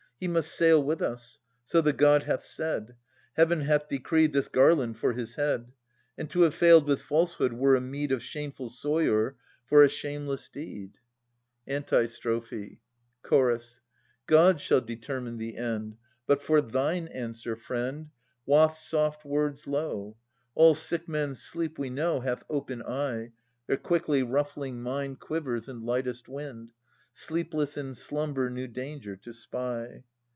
He must sail with us. So the god hath said. Heaven hath decreed this garland for his head : And to have failed with falsehood were a meed Of shameful soilure for a shameless deed. 844 868] Philodetes 297 Antistrophe. Ch. God shall determine the end :— But for thine answer, friend, Waft soft words low! All sick men's sleep, we know, Hath open eye ; Their quickly ruffling mind Quivers in lightest wind, Sleepless in slumber new danger to spy.